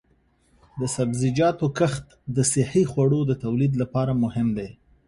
د سبزیجاتو کښت د صحي خوړو د تولید لپاره مهم دی.